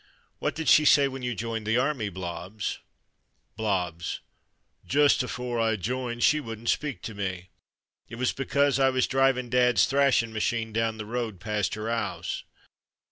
/; What did she say when you joined the army, Blobbs? Biobbs: Just afore I joined she wouldn't speak to me. It was because I was drivin' Dad's thrashin' machine down the road past 'er 'ouse.